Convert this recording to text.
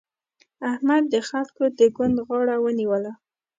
احمد د خلګو د ګوند غاړه ونيوله.